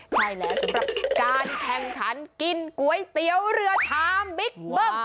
ใช่แล้วสำหรับการแข่งขันกินก๋วยเตี๋ยวเรือชามบิ๊กเบิ้ม